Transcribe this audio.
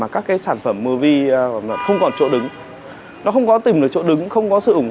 không sớm thì muộn